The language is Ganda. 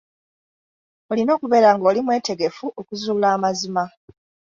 Olina okubeera ng'oli mwetegefu okuzuula amazima.